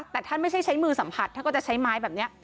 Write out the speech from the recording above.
แต่ท่านไม่ใช่ใช้มือสัมผัสท่านก็จะใช้ไม้แบบนี้